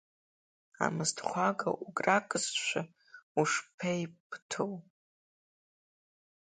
Амысҭхәага уӷракызшәа ушԥеибыҭоу!